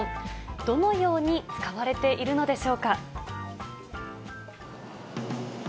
どのように使われているのでしょうか。